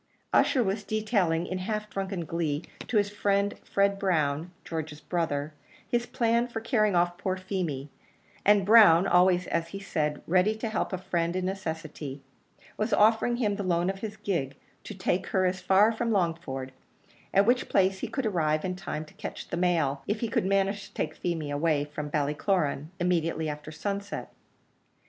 Ussher was detailing in half drunken glee to his friend Fred Brown, George's brother, his plan for carrying off poor Feemy; and Brown, always as he said, ready to help a friend in necessity, was offering him the loan of his gig to take her as far as Longford, at which place he could arrive in time to catch the mail, if he could manage to take Feemy away from Ballycloran immediately after sunset.